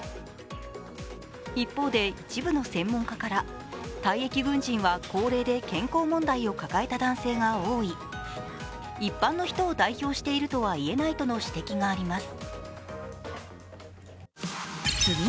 一方で一部の専門家から退役軍人は高齢で健康問題を抱えた男性が多い、一般の人を代表しているとはいえないとの指摘があります。